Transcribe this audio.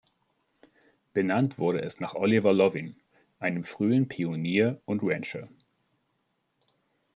Benannt wurde es nach Oliver Loving, einem frühen Pionier und Rancher.